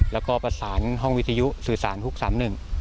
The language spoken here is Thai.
แล้วก็ประสานห้องวิทยุสื่อสารฮุกสามหนึ่ง